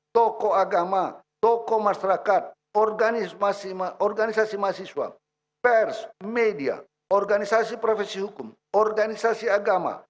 tokoh agama tokoh masyarakat organisasi mahasiswa pers media organisasi profesi hukum organisasi agama